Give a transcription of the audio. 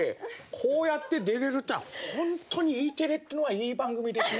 こうやって出れるってのは本当にＥテレってのはいい番組ですね。